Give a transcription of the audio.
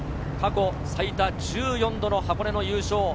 過去最多１４度の箱根の優勝。